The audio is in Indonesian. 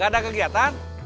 gak ada kegiatan